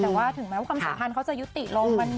แต่ว่าถึงแม้ว่าความสัมพันธ์เขาจะยุติลง